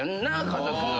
家族が。